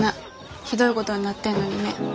ひどいごどになってんのにね。